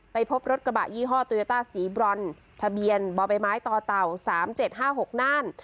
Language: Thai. พบรถกระบะยี่ห้อโตยาต้าสีบรอนทะเบียนบ่อใบไม้ต่อเต่า๓๗๕๖น่าน